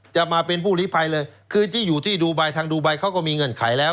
จะมาเป็นผู้ลิภัยเลยคือที่อยู่ที่ดูไบทางดูไบเขาก็มีเงื่อนไขแล้ว